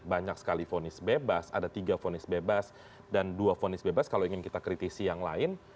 banyak sekali fonis bebas ada tiga vonis bebas dan dua fonis bebas kalau ingin kita kritisi yang lain